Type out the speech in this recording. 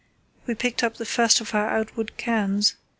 We picked up the first of our outward cairns.